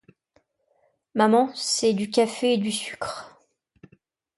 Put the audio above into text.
Maman, c’est du café et du sucre...